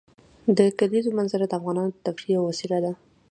د کلیزو منظره د افغانانو د تفریح یوه وسیله ده.